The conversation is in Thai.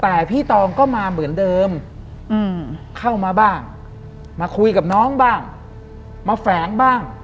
แต่พี่ตองก็มาเหมือนเดิมเข้ามาบ้างมาคุยกับน้องบ้างมาแฝงบ้าง